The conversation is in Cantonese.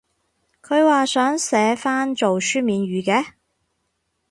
佢話想寫返做書面語嘅？